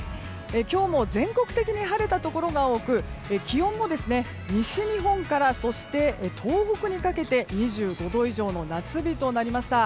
今日も全国的に晴れたところが多く気温も西日本から東北にかけて２５度以上の夏日となりました。